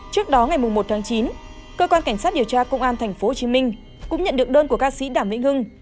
trước đó ngày một tháng chín cơ quan cảnh sát điều tra công an tp hcm cũng nhận được đơn của ca sĩ đàm vĩnh hưng